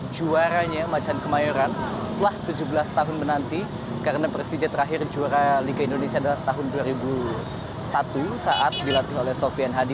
juaranya macan kemayoran setelah tujuh belas tahun menanti karena persija terakhir juara liga indonesia adalah tahun dua ribu satu saat dilatih oleh sofian hadi